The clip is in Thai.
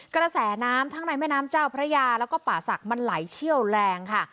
กระแสน้ำทั้งในแม่น้ำเจ้าพระยาแล้วก็ป่าศักดิ์มันไหลเชี่ยวแรงค่ะ